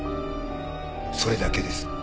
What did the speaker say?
それだけです。